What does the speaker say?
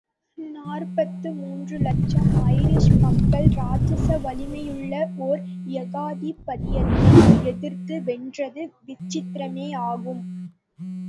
நாற்பத்து மூன்று லட்சம் ஐரிஷ் மக்கள் ராட்சத வலிமையுள்ள ஓர் ஏகாதிபத்தியத்தை எதிர்த்து வென்றது விசித்திரமேயாகும்!